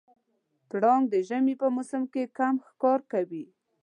پړانګ د ژمي په موسم کې کم ښکار کوي.